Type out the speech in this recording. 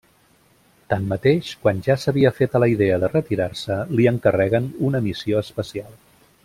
Tanmateix, quan ja s'havia fet a la idea de retirar-se, li encarreguen una missió especial.